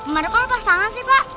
mereka kan pas sangat sih pak